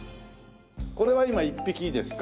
これは今１匹ですか？